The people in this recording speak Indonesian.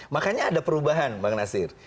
makanya ada perubahan bang nasir